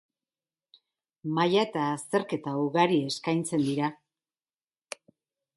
Maila eta azterketa ugari eskaintzen dira.